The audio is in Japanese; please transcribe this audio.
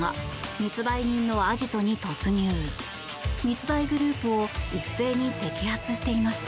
密売グループを一斉に摘発していました。